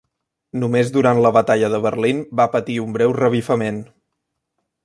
Només durant la Batalla de Berlín va patir un breu revifament.